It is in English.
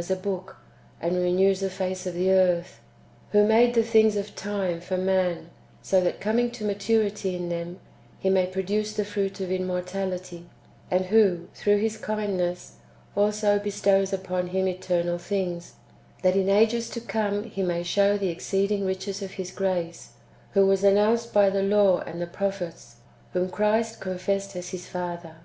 Godj therefore, is one and the same, who rolls up the heaven as a book, and renews the face of the earth ; who made the things of time for man, so that coming to maturity in them, he may produce the fruit of immortality ; and who, through His kindness, also bestows [upon him] eternal things, " that in the ages to come He may show the exceeding riches of His grace ;"^ who was announced by the law and the prophets, whom Christ confessed as His Father.